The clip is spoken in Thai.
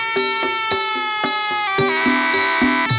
โชว์ที่สุดท้าย